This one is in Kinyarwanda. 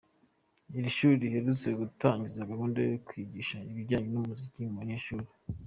Iri shuri riherutse gutangiza gahunda yo kwigisha ibijyanye n’umuziki ku banyeshuri.